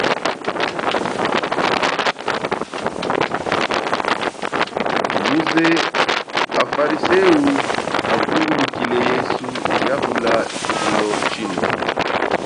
Muze afarisewu akungulukile yesu yahula chihulo chino.